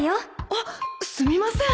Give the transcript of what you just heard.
あっすみません